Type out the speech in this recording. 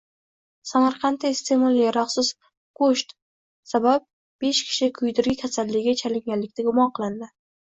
Samarqandda iste’molga yaroqsiz go‘sht sababbeshkishi kuydirgi kasalligiga chalinganlikda gumon qilindi